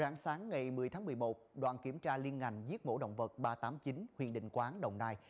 ráng sáng ngày một mươi tháng một mươi một đoàn kiểm tra liên ngành giết mổ động vật ba trăm tám mươi chín huyện định quán đồng nai